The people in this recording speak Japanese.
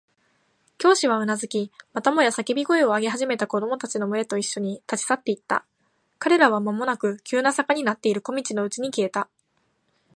教師はうなずき、またもや叫び声を上げ始めた子供たちのむれといっしょに、立ち去っていった。彼らはまもなく急な坂になっている小路のうちに消えた。